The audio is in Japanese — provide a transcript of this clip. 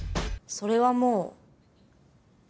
それはもう？